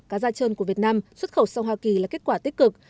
cá da trơn của việt nam xuất khẩu sang hoa kỳ là kết quả tích cực